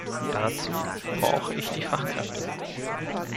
Dazu brauche ich die Fachkräfte.